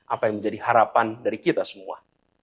apa yang menjadi harapan dari kita semua